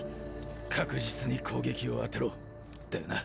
確実に攻撃を当てろだよな？